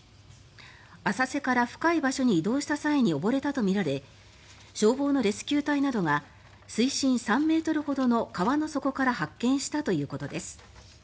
浅瀬から深い場所に移動した際に溺れたとみられ消防のレスキュー隊などが水深３ｍほどの川の底から発見したということです。